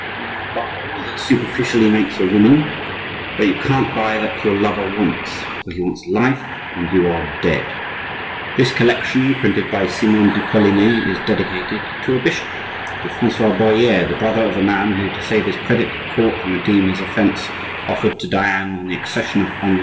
"You may buy all that superficially makes a woman, but you can't buy that your lover wants; for he wants life, and you are dead." This collection, printed by Simon de Colines, is dedicated to a bishop!—to Francois Bohier, the brother of the man who, to save his credit at court and redeem his offence, offered to Diane, on the accession of Henri II.